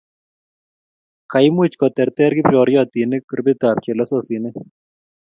Kaimuch koterter kiporyotinik groupitab chelososinik.